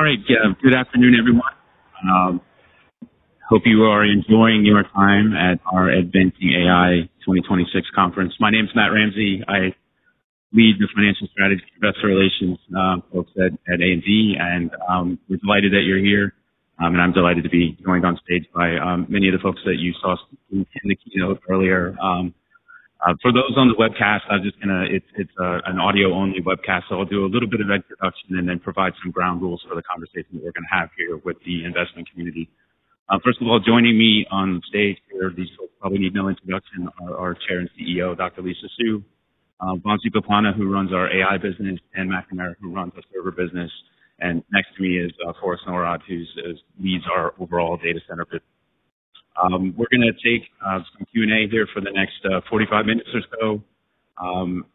All right. Good afternoon, everyone. Hope you are enjoying your time at our Advancing AI 2026 conference. My name's Matt Ramsay. I lead the financial strategy investor relations folks at AMD, and we're delighted that you're here. I'm delighted to be joined on stage by many of the folks that you saw in the keynote earlier. For those on the webcast, it's an audio-only webcast. I'll do a little bit of introduction and then provide some ground rules for the conversation that we're going to have here with the investment community. First of all, joining me on stage here, these probably need no introduction, are our Chair and CEO, Dr. Lisa Su, Vamsi Boppana, who runs our AI business, and Dan McNamara, who runs the server business. Next to me is Forrest Norrod, who leads our overall data center business. We're going to take some Q&A here for the next 45 minutes or so.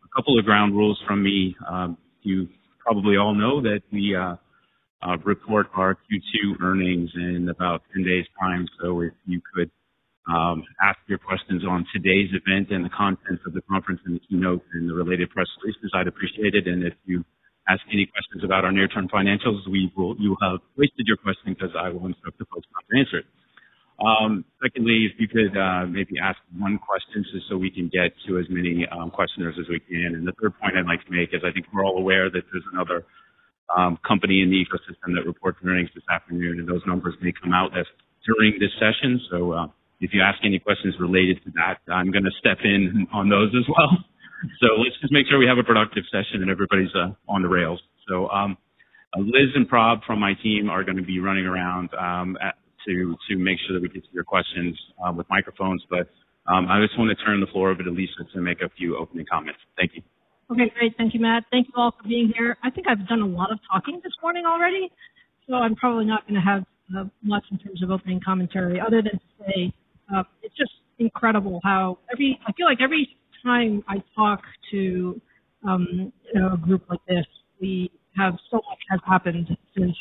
A couple of ground rules from me. You probably all know that we report our Q2 earnings in about 10 days' time. If you could ask your questions on today's event and the contents of the conference and the keynote and the related press releases, I'd appreciate it. If you ask any questions about our near-term financials, you have wasted your question because I will instruct the folks not to answer it. Secondly, if you could maybe ask one question just so we can get to as many questioners as we can. The third point I'd like to make is I think we're all aware that there's another company in the ecosystem that reports earnings this afternoon, and those numbers may come out during this session. If you ask any questions related to that, I'm going to step in on those as well. Let's just make sure we have a productive session and everybody's on the rails. Liz and Prab from my team are going to be running around to make sure that we get to your questions with microphones. I just want to turn the floor over to Lisa to make a few opening comments. Thank you. Okay, great. Thank you, Matt. Thank you all for being here. I think I've done a lot of talking this morning already. I'm probably not going to have much in terms of opening commentary other than say, it's just incredible how I feel like every time I talk to a group like this, we have so much has happened since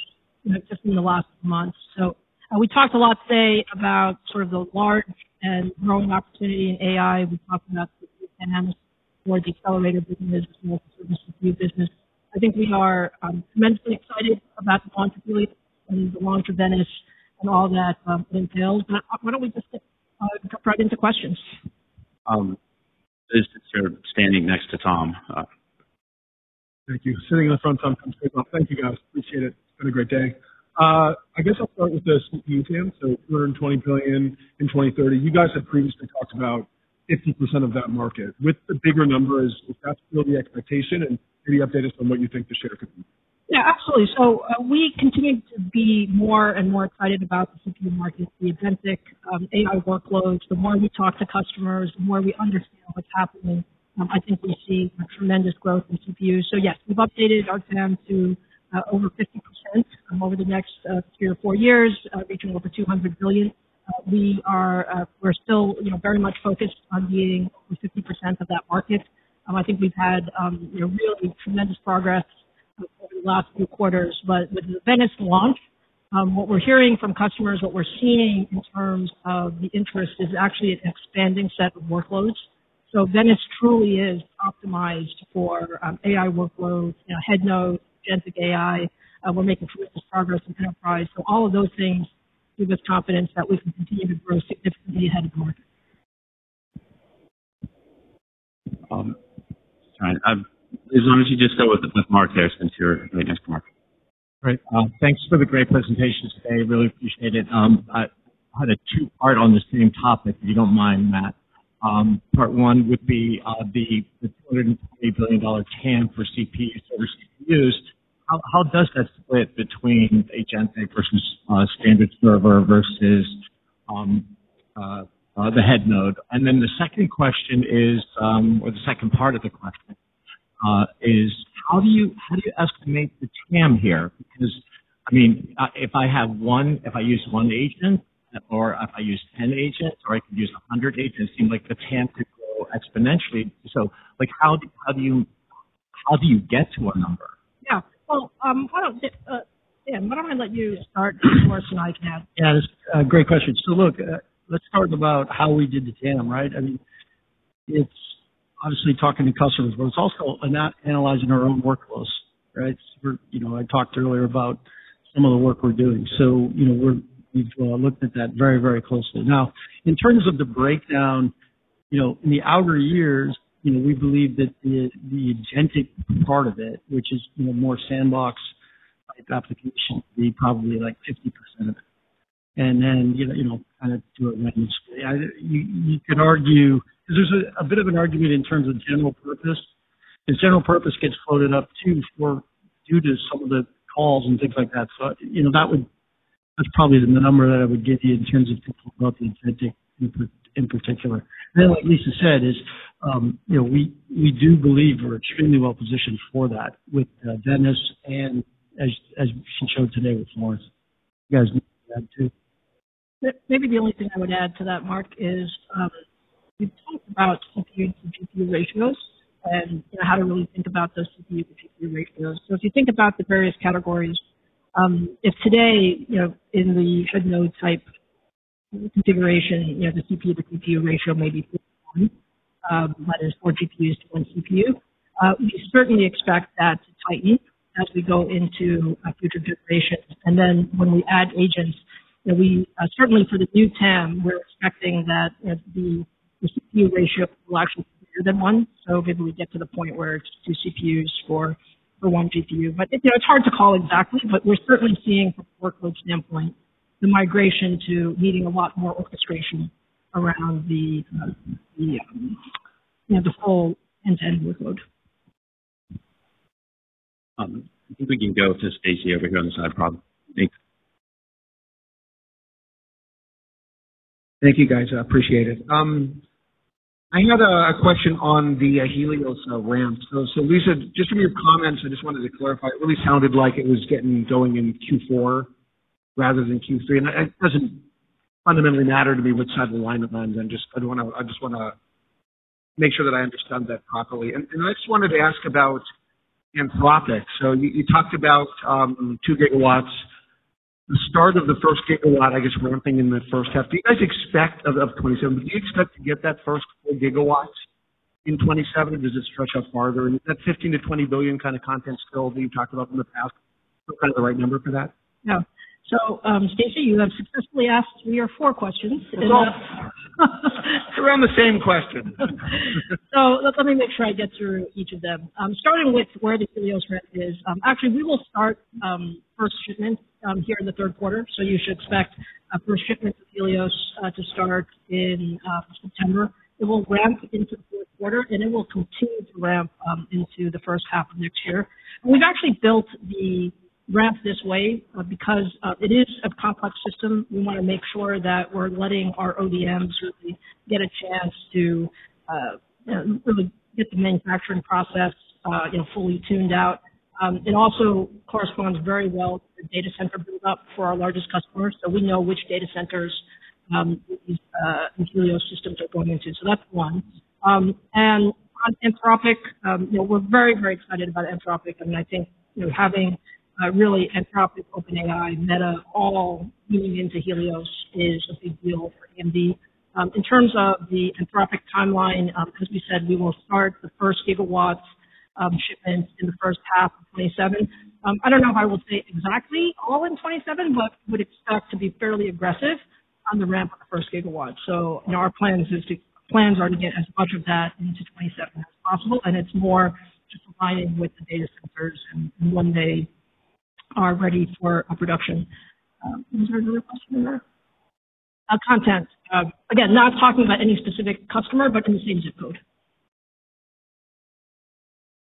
just in the last month. We talked a lot today about sort of the large and growing opportunity in AI. We talked about the TAMs for the accelerated business, multi-service compute business. I think we are tremendously excited about the contribution and the launch of Venice and all that entails. Why don't we just jump right into questions? Liz, since you're standing next to Tom. Thank you. Sitting in the front sometimes pays off. Thank you, guys. Appreciate it. It's been a great day. I guess I'll start with the CPU TAM. $220 billion in 2030. You guys have previously talked about 50% of that market. With the bigger numbers, is that still the expectation, and can you update us on what you think the share could be? Yeah, absolutely. We continue to be more and more excited about the CPU market, the agentic AI workloads. The more we talk to customers, the more we understand what's happening. I think we see tremendous growth in CPUs. Yes, we've updated our TAM to over 50% over the next three or four years, reaching over $200 billion. We're still very much focused on getting over 50% of that market. I think we've had really tremendous progress over the last few quarters. With the Venice launch, what we're hearing from customers, what we're seeing in terms of the interest is actually an expanding set of workloads. Venice truly is optimized for AI workloads, head node, agentic AI. We're making tremendous progress in enterprise. All of those things give us confidence that we can continue to grow significantly ahead of the market. All right. As long as you just go with Mark there, since you're right next to Mark. Great. Thanks for the great presentation today. Really appreciate it. I had a two-part on the same topic, if you don't mind, Matt. Part one would be the $280 billion TAM for CPU servers used. How does that split between agent versus standard server versus the head node? The second question is, or the second part of the question, is how do you estimate the TAM here? Because, if I use one agent or if I use 10 agents, or I could use 100 agents, seem like the TAM could grow exponentially. How do you get to a number? Yeah. Well, why don't, Dan, why don't I let you start more so than I can? Yeah. Great question. Look, let's talk about how we did the TAM, right? It's obviously talking to customers, but it's also analyzing our own workloads, right? I talked earlier about some of the work we're doing. We've looked at that very closely. Now, in terms of the breakdown, in the outer years, we believe that the agentic part of it, which is more sandbox type application, will be probably like 50% of it. Then, kind of do it linearly. You could argue, because there's a bit of an argument in terms of general purpose, because general purpose gets floated up too, due to some of the calls and things like that. That's probably the number that I would give you in terms of the agentic in particular. Like Lisa said, is we do believe we're extremely well-positioned for that with Venice and as she showed today with Florence. You guys may add too. Maybe the only thing I would add to that, Mark, is we've talked about CPU to GPU ratios and how do we think about those CPU to GPU ratios. If you think about the various categories, if today, in the head node type configuration, the CPU to GPU ratio may be 4:1. That is four GPUs to one CPU. We certainly expect that to tighten as we go into future generations. When we add agents, certainly for the new TAM, we're expecting that the CPU ratio will actually be greater than one. Maybe we get to the point where it's two CPUs for one GPU. It's hard to call exactly, but we're certainly seeing from a workloads standpoint, the migration to needing a lot more orchestration around the whole end-to-end workload. I think we can go to Stacy over here on the side, probably. Thanks. Thank you, guys. I appreciate it. I had a question on the Helios ramp. Lisa, just from your comments, I just wanted to clarify. It really sounded like it was getting going in Q4 rather than Q3, and it doesn't fundamentally matter to me which side of the line it lands on, I just want to make sure that I understand that properly. I just wanted to ask about Anthropic. You talked about 2 GW. The start of the first gigawatt, I guess, ramping in the first half. Do you guys expect, of 2027, do you expect to get that first full gigawatt in 2017 or does it stretch out farther? That $15 billion-$20 billion kind of content bill that you've talked about in the past, still kind of the right number for that? Yeah. Stacy, you have successfully asked three or four questions. It's all around the same question. Let me make sure I get through each of them. Starting with where the Helios ramp is. Actually, we will start first shipment here in the third quarter. You should expect first shipment of Helios to start in September. It will ramp into the fourth quarter, and it will continue to ramp into the first half of next year. We've actually built the ramp this way because it is a complex system. We want to make sure that we're letting our ODMs really get a chance to really get the manufacturing process fully tuned out. It also corresponds very well to the data center build-up for our largest customers, so we know which data centers these Helios systems are going into. That's one. On Anthropic, we're very excited about Anthropic, and I think having really Anthropic, OpenAI, Meta, all moving into Helios is a big deal for AMD. In terms of the Anthropic timeline, as we said, we will start the first gigawatts of shipments in the first half of 2027. I don't know if I will say exactly all in 2027, but would expect to be fairly aggressive on the ramp of the first gigawatt. Our plans are to get as much of that into 2027 as possible, and it's more just aligning with the data centers and when they are ready for production. Was there another question in there? Content. Again, not talking about any specific customer, but in the same zip code.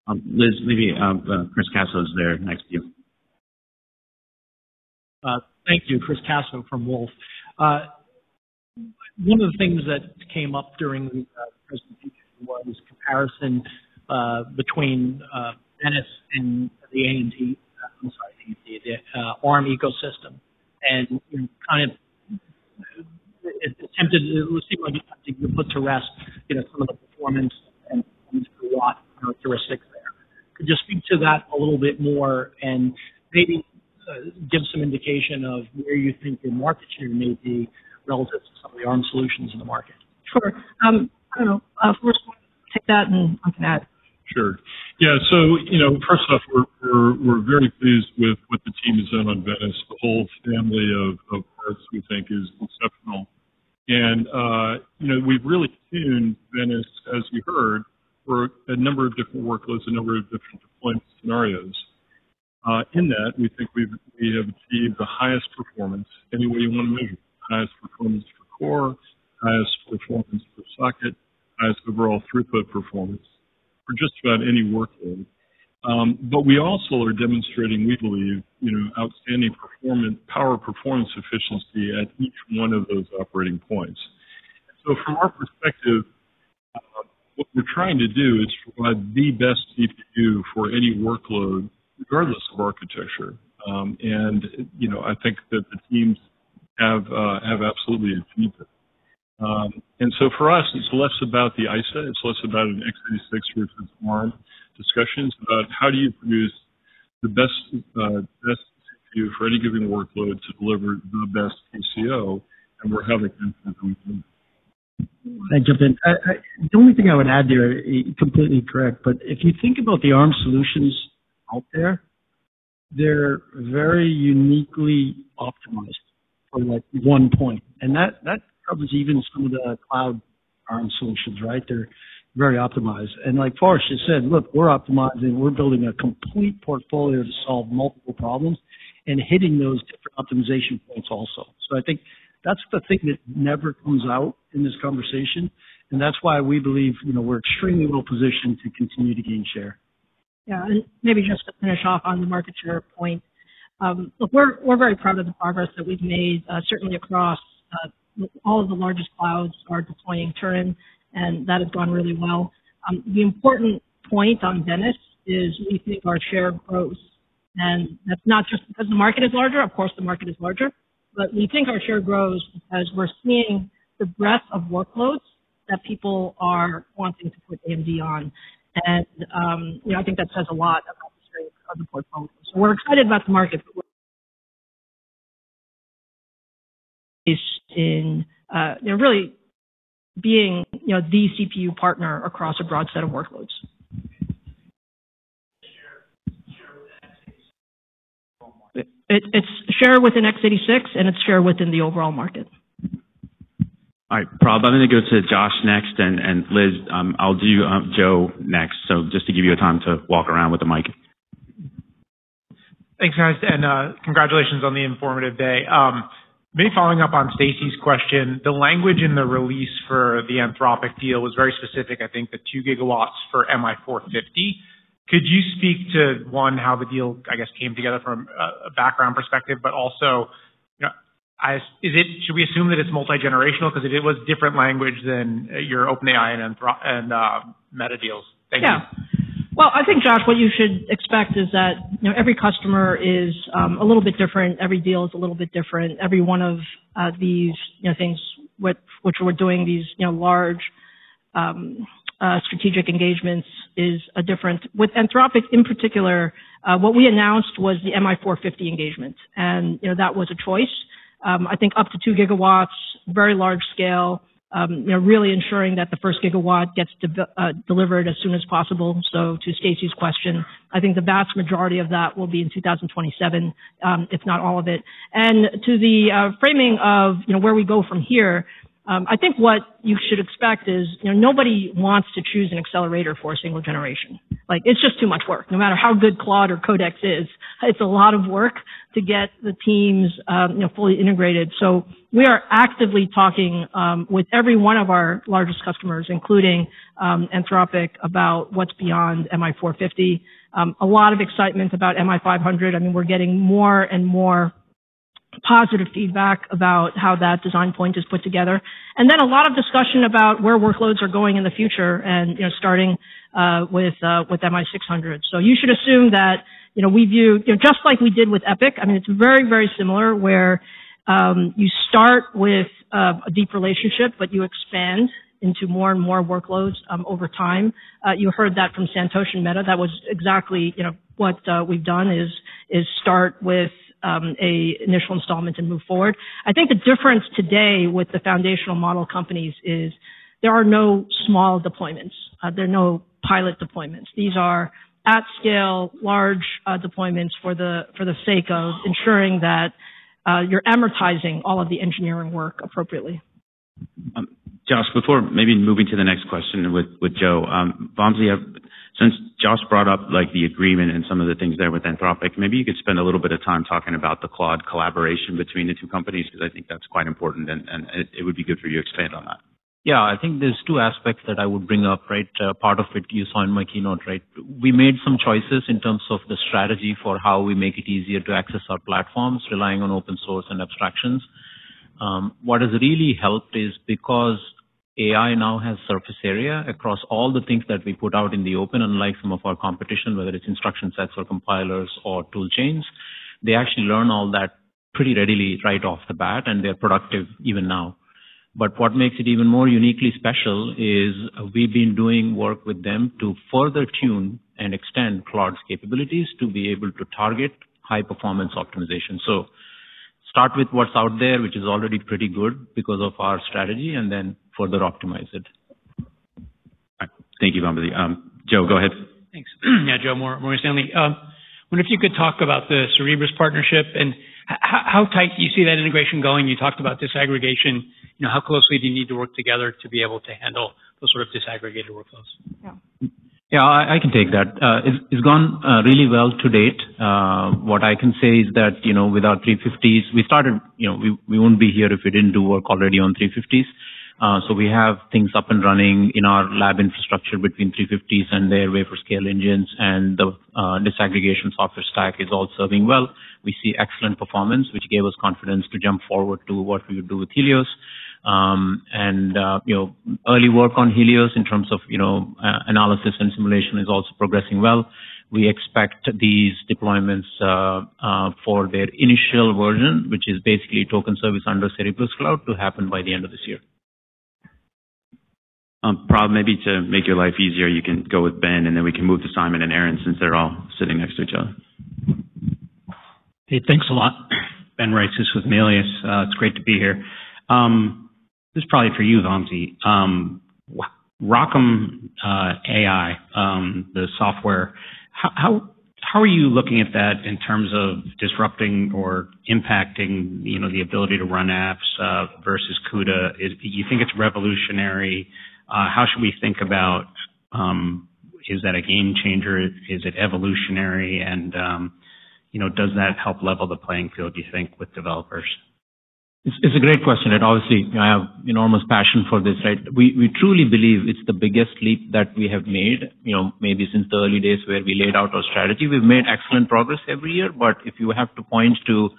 Liz, maybe Chris Caso is there next to you. Thank you. Chris Caso from Wolfe. One of the things that came up during the presentation was comparison between Venice and the Arm ecosystem. Kind of attempted, it seemed like you put to rest some of the performance and power characteristics there. Could you speak to that a little bit more and maybe give some indication of where you think your market share may be relative to some of the Arm solutions in the market? Sure. Forrest, why don't you take that, I can add. Sure. Yeah. First off, we're very pleased with what the team has done on Venice. The whole family of parts, we think, is exceptional. We've really tuned Venice, as you heard, for a number of different workloads, a number of different deployment scenarios. In that, we think we have achieved the highest performance any way you want to measure it. Highest performance per core, highest performance per socket, highest overall throughput performance for just about any workload. We also are demonstrating, we believe, outstanding power performance efficiency at each one of those operating points. From our perspective, what we're trying to do is provide the best CPU for any workload, regardless of architecture. I think that the teams have absolutely achieved that. For us, it's less about the ISA, it's less about an x86 versus Arm discussions. It's about how do you produce the best CPU for any given workload to deliver the best TCO, we're having that conversation. Can I jump in? The only thing I would add there, completely correct. If you think about the Arm solutions out there, they're very uniquely optimized for one point. That covers even some of the cloud Arm solutions, right? They're very optimized. Like Forrest just said, look, we're optimizing, we're building a complete portfolio to solve multiple problems and hitting those different optimization points also. I think that's the thing that never comes out in this conversation, and that's why we believe we're extremely well-positioned to continue to gain share. Yeah. Maybe just to finish off on the market share point. Look, we're very proud of the progress that we've made. Certainly across all of the largest clouds are deploying Turin, and that has gone really well. The important point on Venice is we think our share grows. That's not just because the market is larger. Of course, the market is larger. We think our share grows because we're seeing the breadth of workloads that people are wanting to put AMD on. I think that says a lot about the portfolio. We're excited about the market in really being the CPU partner across a broad set of workloads. Share with x86 overall market. It's shared within x86, and it's shared within the overall market. All right, Prab. I'm going to go to Josh next, and Liz, I'll do Joe next. Just to give you a time to walk around with the mic. Thanks, guys. Congratulations on the informative day. Me following up on Stacy's question, the language in the release for the Anthropic deal was very specific. I think the 2 GW for MI450. Could you speak to, one, how the deal, I guess, came together from a background perspective, also, should we assume that it's multigenerational? It was different language than your OpenAI and Meta deals. Thank you. Yeah. Well, I think, Josh, what you should expect is that every customer is a little bit different, every deal is a little bit different. Every one of these things which we're doing, these large strategic engagements, is different. With Anthropic, in particular, what we announced was the MI450 engagement, that was a choice. I think up to 2 GW, very large scale, really ensuring that the first gigawatt gets delivered as soon as possible. To Stacy's question, I think the vast majority of that will be in 2027, if not all of it. To the framing of where we go from here, I think what you should expect is nobody wants to choose an accelerator for a single generation. It's just too much work. No matter how good Claude or Codex is, it's a lot of work to get the teams fully integrated. We are actively talking with every one of our largest customers, including Anthropic, about what's beyond MI450. A lot of excitement about MI500. We're getting more and more positive feedback about how that design point is put together, then a lot of discussion about where workloads are going in the future and starting with MI600. You should assume that we view, just like we did with EPYC, it's very, very similar, where you start with a deep relationship, you expand into more and more workloads over time. You heard that from Santosh and Meta. That was exactly what we've done is start with an initial installment and move forward. I think the difference today with the foundational model companies is there are no small deployments. There are no pilot deployments. These are at scale, large deployments for the sake of ensuring that you're amortizing all of the engineering work appropriately. Josh, before maybe moving to the next question with Joe. Vamsi, since Josh brought up the agreement and some of the things there with Anthropic, maybe you could spend a little bit of time talking about the Claude collaboration between the two companies, because I think that's quite important, and it would be good for you to expand on that. Yeah, I think there's two aspects that I would bring up. Part of it you saw in my keynote. We made some choices in terms of the strategy for how we make it easier to access our platforms, relying on open source and abstractions. What has really helped is because AI now has surface area across all the things that we put out in the open, unlike some of our competition, whether it's instruction sets or compilers or tool chains. They actually learn all that pretty readily right off the bat, and they're productive even now. What makes it even more uniquely special is we've been doing work with them to further tune and extend Claude's capabilities to be able to target high-performance optimization. Start with what's out there, which is already pretty good because of our strategy, and then further optimize it. Thank you, Vamsi. Joe, go ahead. Thanks. Yeah. Joe Moore, Morgan Stanley. Wonder if you could talk about the Cerebras partnership and how tight you see that integration going. You talked about disaggregation. How closely do you need to work together to be able to handle those sort of disaggregated workflows? Yeah. Yeah, I can take that. It's gone really well to date. What I can say is that with our 350s, we won't be here if we didn't do work already on 350s. We have things up and running in our lab infrastructure between 350s and their Wafer-Scale Engines, and the disaggregation software stack is all serving well. We see excellent performance, which gave us confidence to jump forward to what we would do with Helios. Early work on Helios in terms of analysis and simulation is also progressing well. We expect these deployments for their initial version, which is basically token service under Cerebras Cloud, to happen by the end of this year. Prab, maybe to make your life easier, you can go with Ben, then we can move to Simon and Aaron since they're all sitting next to each other. Hey, thanks a lot. Ben Reitzes with Melius. It's great to be here. This is probably for you, Vamsi. ROCm.ai, the software, how are you looking at that in terms of disrupting or impacting the ability to run apps versus CUDA? You think it's revolutionary? How should we think about? Is that a game changer? Is it evolutionary? Does that help level the playing field, do you think, with developers? It's a great question. Obviously, I have enormous passion for this. We truly believe it's the biggest leap that we have made, maybe since the early days where we laid out our strategy. We've made excellent progress every year. If you have to point to,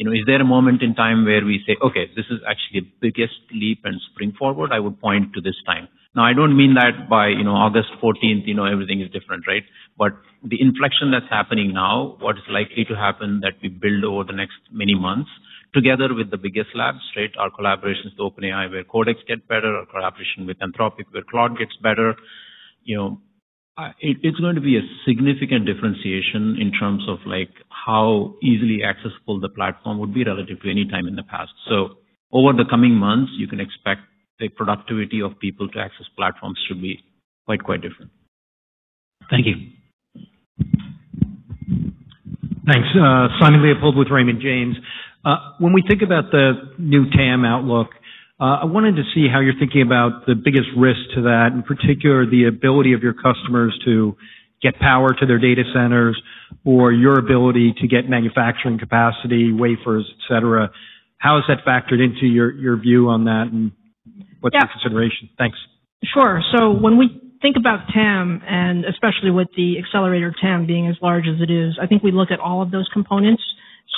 is there a moment in time where we say, "Okay, this is actually the biggest leap and spring forward," I would point to this time. I don't mean that by August 14th everything is different. The inflection that's happening now, what is likely to happen that we build over the next many months, together with the biggest labs, our collaborations with OpenAI, where Codex gets better, our collaboration with Anthropic, where Claude gets better. It's going to be a significant differentiation in terms of how easily accessible the platform would be relative to any time in the past. Over the coming months, you can expect the productivity of people to access platforms to be quite different. Thank you. Thanks. Simon Leopold with Raymond James. When we think about the new TAM outlook, I wanted to see how you're thinking about the biggest risk to that, in particular, the ability of your customers to get power to their data centers or your ability to get manufacturing capacity, wafers, et cetera. How has that factored into your view on that, and what's your consideration? Thanks. Sure. When we think about TAM, especially with the accelerator TAM being as large as it is, I think we look at all of those components.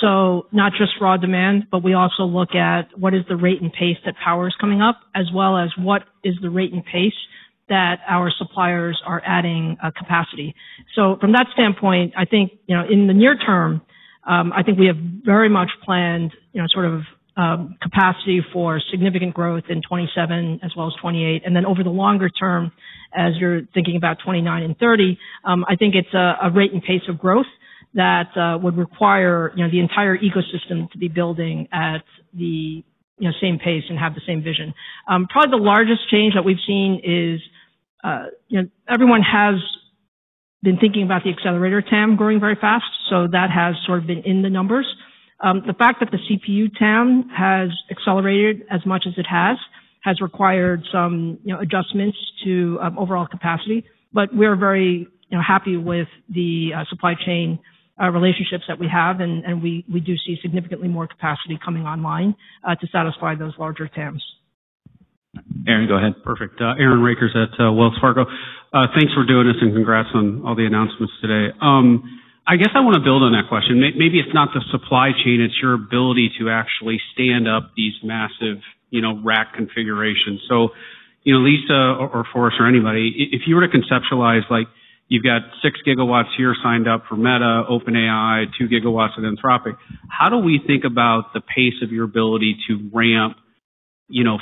Not just raw demand, but we also look at what is the rate and pace that power is coming up, as well as what is the rate and pace that our suppliers are adding capacity. From that standpoint, I think, in the near term, I think we have very much planned capacity for significant growth in 2027 as well as 2028. Over the longer term, as you're thinking about 2029 and 2030, I think it's a rate and pace of growth that would require the entire ecosystem to be building at the same pace and have the same vision. Probably the largest change that we've seen is everyone has been thinking about the accelerator TAM growing very fast, that has sort of been in the numbers. The fact that the CPU TAM has accelerated as much as it has required some adjustments to overall capacity. We're very happy with the supply chain relationships that we have, we do see significantly more capacity coming online to satisfy those larger TAMs. Aaron, go ahead. Perfect. Aaron Rakers at Wells Fargo. Thanks for doing this and congrats on all the announcements today. I guess I want to build on that question. Maybe it's not the supply chain, it's your ability to actually stand up these massive rack configurations. Lisa or Forrest or anybody, if you were to conceptualize like you've got 6 GW here signed up for Meta, OpenAI, 2 GW of Anthropic, how do we think about the pace of your ability to ramp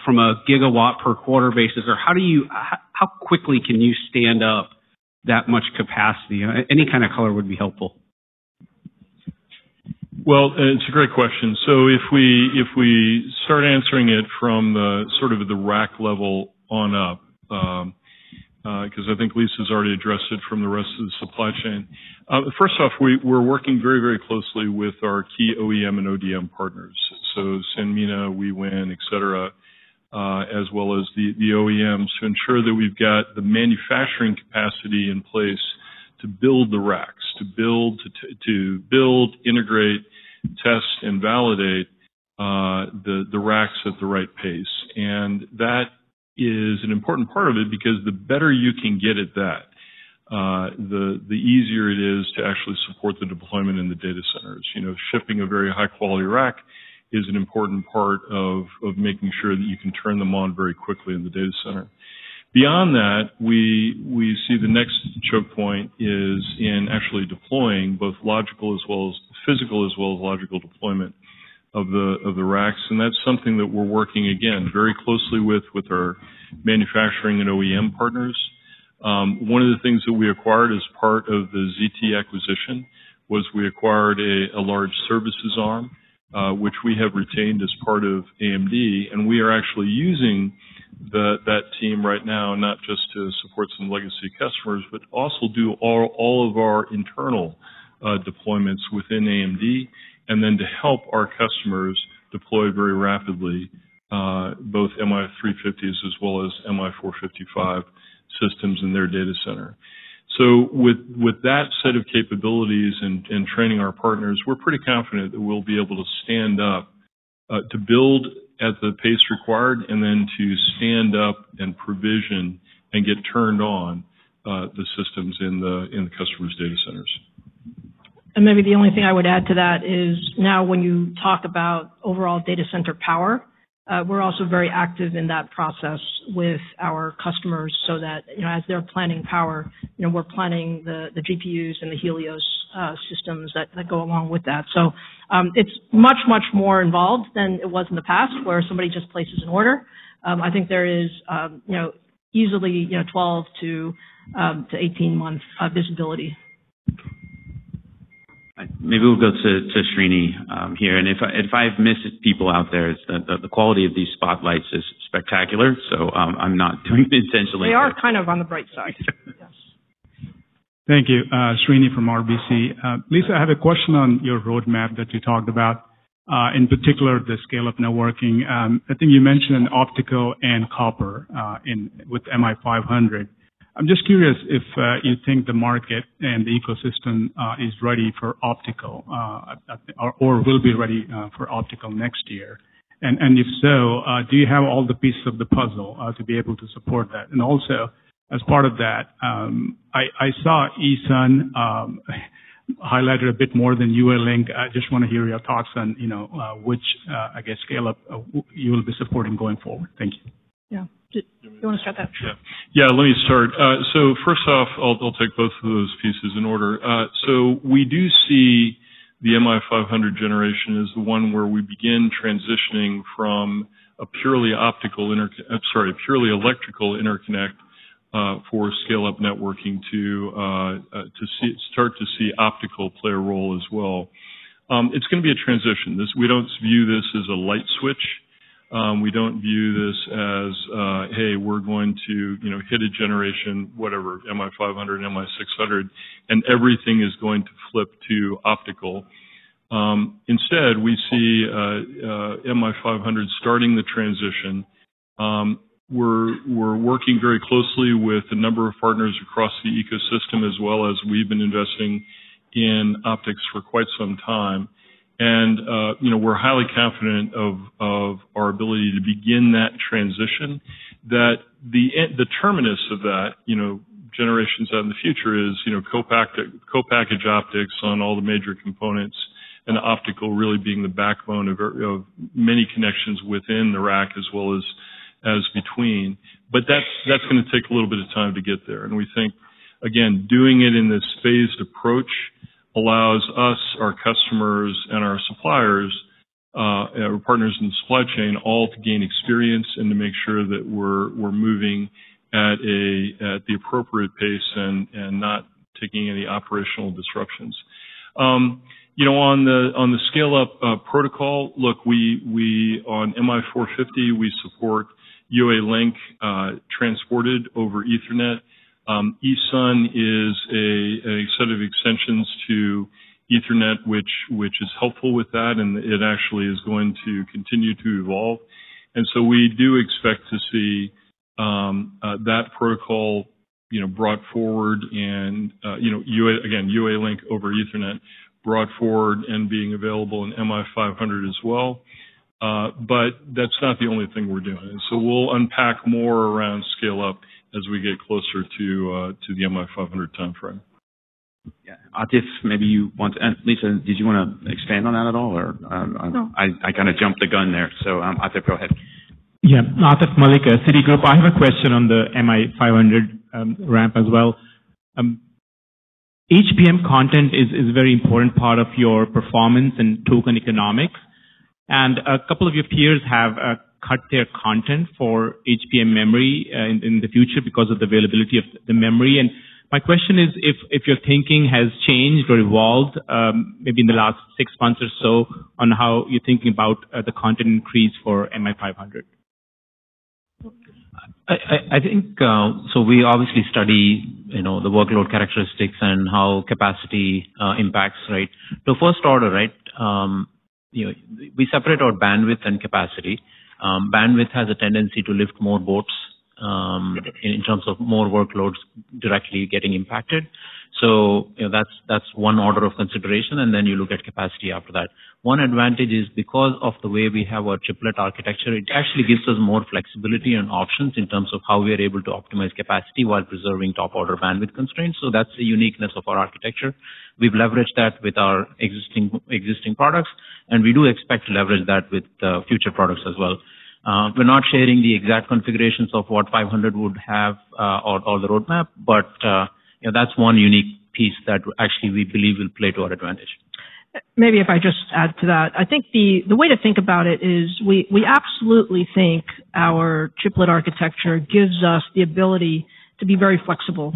from a gigawatt per quarter basis? How quickly can you stand up that much capacity? Any kind of color would be helpful. It's a great question. If we start answering it from the rack level on up, because I think Lisa's already addressed it from the rest of the supply chain. First off, we're working very closely with our key OEM and ODM partners. Sanmina, Wiwynn, et cetera, as well as the OEMs, to ensure that we've got the manufacturing capacity in place to build the racks. To build, integrate, test, and validate the racks at the right pace. That is an important part of it, because the better you can get at that, the easier it is to actually support the deployment in the data centers. Shipping a very high-quality rack is an important part of making sure that you can turn them on very quickly in the data center. Beyond that, we see the next choke point is in actually deploying both logical as well as physical as well as logical deployment of the racks. That's something that we're working, again, very closely with our manufacturing and OEM partners. One of the things that we acquired as part of the ZT acquisition was we acquired a large services arm, which we have retained as part of AMD, and we are actually using that team right now, not just to support some legacy customers, but also do all of our internal deployments within AMD, and then to help our customers deploy very rapidly, both MI350s as well as MI455 systems in their data center. With that set of capabilities and training our partners, we're pretty confident that we'll be able to stand up to build at the pace required and then to stand up and provision and get turned on the systems in the customer's data centers. Maybe the only thing I would add to that is now when you talk about overall data center power, we're also very active in that process with our customers so that as they're planning power, we're planning the GPUs and the Helios systems that go along with that. It's much more involved than it was in the past, where somebody just places an order. I think there is easily 12 to 18 months of visibility. Maybe we'll go to Srini here. If I've missed people out there, the quality of these spotlights is spectacular, I'm not doing it intentionally. They are kind of on the bright side. Yes. Thank you. Srini from RBC. Lisa, I have a question on your roadmap that you talked about, in particular the scale of networking. I think you mentioned optical and copper with MI500. I'm just curious if you think the market and the ecosystem is ready for optical or will be ready for optical next year. If so, do you have all the pieces of the puzzle to be able to support that? Also, as part of that, I saw ESUN highlighted a bit more than you at UALink. I just want to hear your thoughts on which, I guess, scale-up you will be supporting going forward. Thank you. Yeah. Do you want to start that? First off, I'll take both of those pieces in order. We do see the MI500 generation as the one where we begin transitioning from a purely electrical interconnect for scale-up networking to start to see optical play a role as well. It's going to be a transition. We don't view this as a light switch. We don't view this as, hey, we're going to hit a generation, whatever, MI500, MI600, and everything is going to flip to optical. Instead, we see MI500 starting the transition. We're working very closely with a number of partners across the ecosystem as well as we've been investing in optics for quite some time. We're highly confident of our ability to begin that transition, that the terminus of that, generations out in the future is, co-packaged optics on all the major components and optical really being the backbone of many connections within the rack as well as between. That's going to take a little bit of time to get there. We think, again, doing it in this phased approach allows us, our customers, and our suppliers, our partners in the supply chain, all to gain experience and to make sure that we're moving at the appropriate pace and not taking any operational disruptions. On the scale-up protocol, look, on MI450, we support UALink transported over Ethernet. ESUN is a set of extensions to Ethernet, which is helpful with that, and it actually is going to continue to evolve. We do expect to see that protocol brought forward and, again, UALink over Ethernet brought forward and being available in MI500 as well. That's not the only thing we're doing. We'll unpack more around scale up as we get closer to the MI500 timeframe. Yeah. Atif, maybe you want. Lisa, did you want to expand on that at all? No. I kind of jumped the gun there. Atif, go ahead. Yeah. Atif Malik, Citigroup. I have a question on the MI500 ramp as well. HBM content is a very important part of your performance and token economics, a couple of your peers have cut their content for HBM memory in the future because of the availability of the memory. My question is if your thinking has changed or evolved, maybe in the last six months or so, on how you're thinking about the content increase for MI500. We obviously study the workload characteristics and how capacity impacts. First order. We separate our bandwidth and capacity. Bandwidth has a tendency to lift more boats in terms of more workloads directly getting impacted. That's one order of consideration, then you look at capacity after that. One advantage is because of the way we have our chiplet architecture, it actually gives us more flexibility and options in terms of how we are able to optimize capacity while preserving top-order bandwidth constraints. That's the uniqueness of our architecture. We've leveraged that with our existing products, and we do expect to leverage that with future products as well. We're not sharing the exact configurations of what 500 would have or the roadmap, but that's one unique piece that actually we believe will play to our advantage. Maybe if I just add to that. I think the way to think about it is we absolutely think our chiplet architecture gives us the ability to be very flexible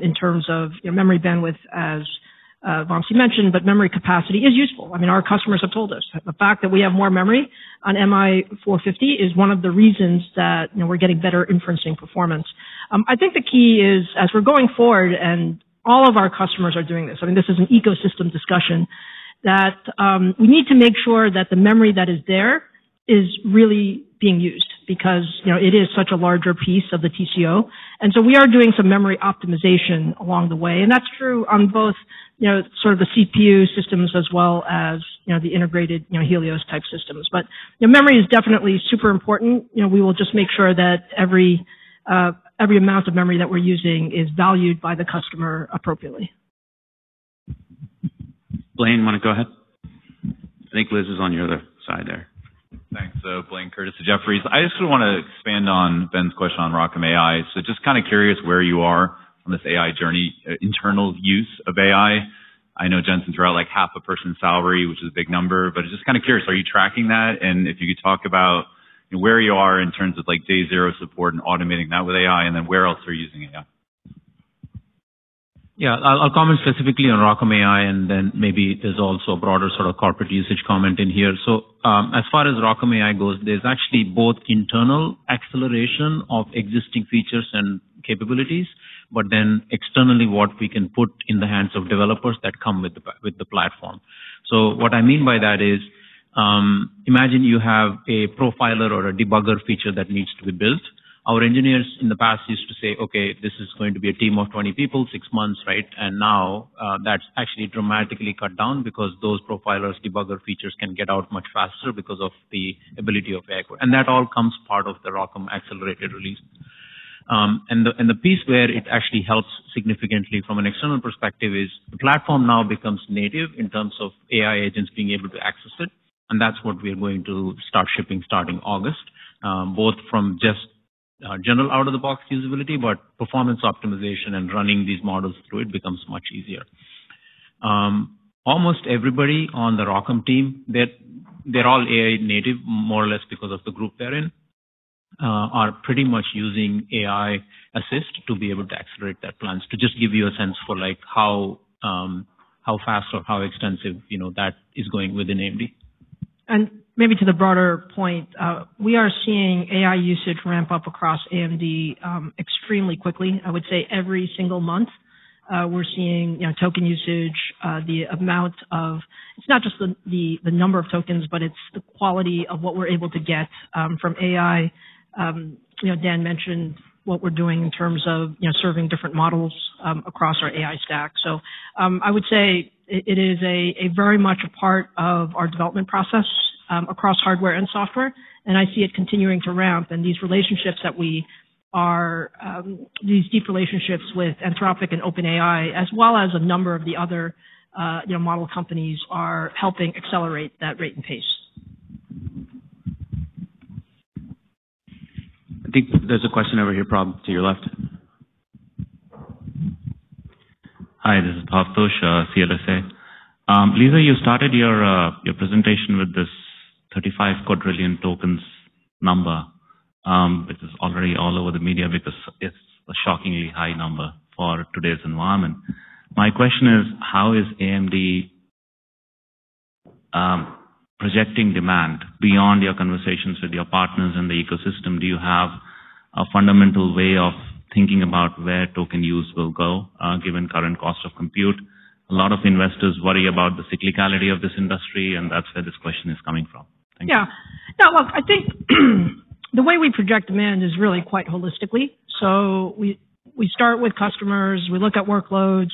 in terms of memory bandwidth, as Vamsi mentioned, but memory capacity is useful. I mean, our customers have told us. The fact that we have more memory on MI450 is one of the reasons that we're getting better inferencing performance. I think the key is, as we're going forward, and all of our customers are doing this, I mean, this is an ecosystem discussion, that we need to make sure that the memory that is there is really being used because it is such a larger piece of the TCO. We are doing some memory optimization along the way, and that's true on both sort of the CPU systems as well as the integrated Helios type systems. memory is definitely super important. We will just make sure that every amount of memory that we're using is valued by the customer appropriately. Blayne, you want to go ahead? I think Liz is on your other side there. Thanks. Blayne Curtis at Jefferies. I just want to expand on Ben's question on ROCm.ai. Just kind of curious where you are on this AI journey, internal use of AI. I know Jensen drew out half a person's salary, which is a big number. Just kind of curious, are you tracking that? If you could talk about where you are in terms of day zero support and automating that with AI, then where else are you using AI? Yeah. I'll comment specifically on ROCm.ai, then maybe there's also a broader sort of corporate usage comment in here. As far as ROCm.ai goes, there's actually both internal acceleration of existing features and capabilities, externally, what we can put in the hands of developers that come with the platform. What I mean by that is, imagine you have a profiler or a debugger feature that needs to be built. Our engineers in the past used to say, "Okay, this is going to be a team of 20 people, six months." Now, that's actually dramatically cut down because those profilers, debugger features can get out much faster because of the ability of AI. That all comes part of the ROCm accelerated release. The piece where it actually helps significantly from an external perspective is the platform now becomes native in terms of AI agents being able to access it, and that is what we are going to start shipping starting August, both from just general out-of-the-box usability, but performance optimization and running these models through it becomes much easier. Almost everybody on the ROCm team, they are all AI native, more or less because of the group they are in, are pretty much using AI assist to be able to accelerate their plans. To just give you a sense for how fast or how extensive that is going within AMD. Maybe to the broader point, we are seeing AI usage ramp up across AMD extremely quickly. I would say every single month, we are seeing token usage, the amount of It is not just the number of tokens, but it is the quality of what we are able to get from AI. Dan mentioned what we are doing in terms of serving different models across our AI stack. I would say it is a very much a part of our development process across hardware and software, and I see it continuing to ramp and these deep relationships with Anthropic and OpenAI, as well as a number of the other model companies are helping accelerate that rate and pace. I think there is a question over here, Prab, to your left. Hi, this is Bhavtosh, CLSA. Lisa, you started your presentation with this 35 quadrillion tokens number, which is already all over the media because it is a shockingly high number for today's environment. My question is, how is AMD projecting demand beyond your conversations with your partners in the ecosystem? Do you have a fundamental way of thinking about where token use will go, given current cost of compute? A lot of investors worry about the cyclicality of this industry, and that is where this question is coming from. Thank you. I think the way we project demand is really quite holistically. We start with customers. We look at workloads.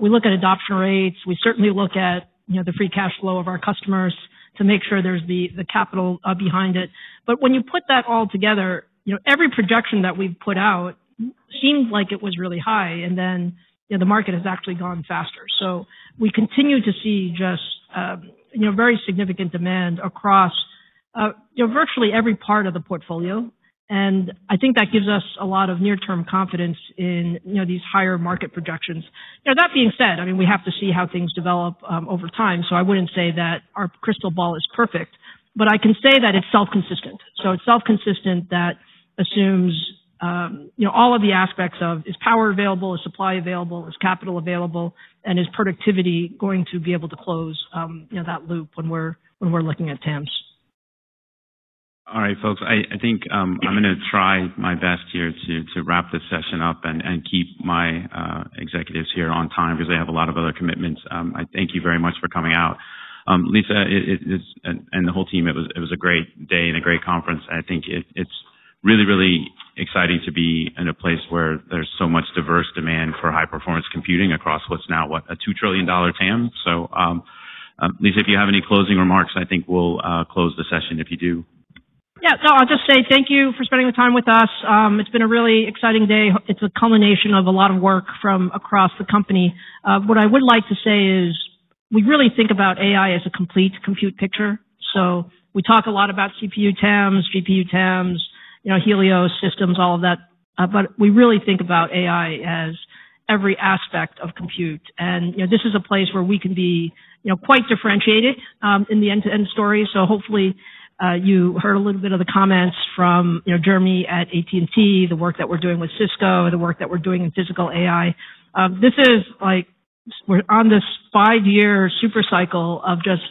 We look at adoption rates. We certainly look at the free cash flow of our customers to make sure there's the capital behind it. When you put that all together, every projection that we've put out seemed like it was really high, and then the market has actually gone faster. We continue to see just very significant demand across virtually every part of the portfolio, and I think that gives us a lot of near-term confidence in these higher market projections. That being said, we have to see how things develop over time, so I wouldn't say that our crystal ball is perfect, but I can say that it's self-consistent. It's self-consistent that assumes all of the aspects of is power available, is supply available, is capital available, and is productivity going to be able to close that loop when we're looking at TAMs. All right, folks. I think I'm going to try my best here to wrap this session up and keep my executives here on time because they have a lot of other commitments. I thank you very much for coming out. Lisa, and the whole team, it was a great day and a great conference. I think it's really, really exciting to be in a place where there's so much diverse demand for high-performance computing across what's now, what, a $2 trillion TAM. Lisa, if you have any closing remarks, I think we'll close the session if you do. I'll just say thank you for spending the time with us. It's been a really exciting day. It's a culmination of a lot of work from across the company. What I would like to say is we really think about AI as a complete compute picture. We talk a lot about CPU TAMs, GPU TAMs, Helios systems, all of that. We really think about AI as every aspect of compute. This is a place where we can be quite differentiated in the end-to-end story. Hopefully, you heard a little bit of the comments from Jeremy at AT&T, the work that we're doing with Cisco, the work that we're doing in physical AI. This is like we're on this five-year super cycle of just.